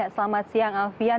selamat siang alfian